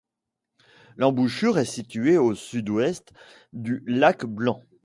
L'embouchure est située au sud-ouest du lac Blanc.